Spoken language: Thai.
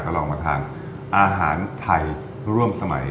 ลองมาทานอาหารไทยร่วมสมัย